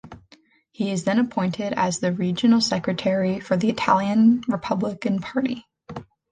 He is then appointed as the regional secretary for the Italian Republican Party.